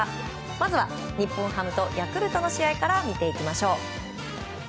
まずは日本ハムとヤクルトの試合から見ていきましょう。